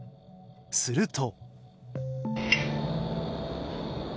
すると。